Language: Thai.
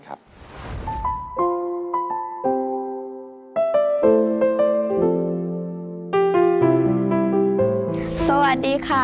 สวัสดีค่ะ